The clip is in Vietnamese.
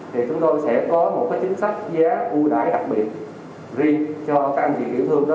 thì chúng tôi sẽ có một cái chính sách giá ưu đãi đặc biệt riêng cho các anh chị tiểu thương đó